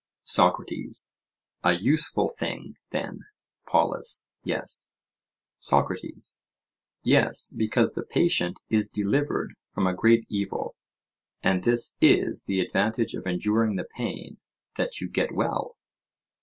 SOCRATES: A useful thing, then? POLUS: Yes. SOCRATES: Yes, because the patient is delivered from a great evil; and this is the advantage of enduring the pain—that you get well?